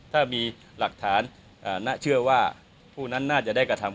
ถ้ามีหลักฐานเชื่อว่าผู้นั้นน่าจะได้กระทำ